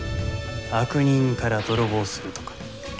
悪人から泥棒するとか。